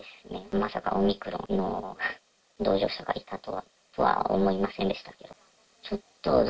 まさかオミクロンの同乗者がいたとは思いませんでした。